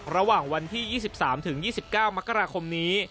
ระหว่างวันที่๒๓๒๙มกราคมนี้